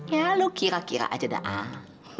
ya lu kira kira aja dah